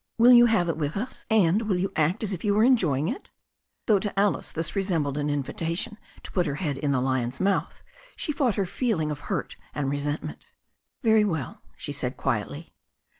Will you have it with us? And will you act as if you were enjoying it?" Though to Alice this resembled an invitation to put her head in the lion's mouth, she fought her feeling of hurt and resentment. "Very well," she said quietly.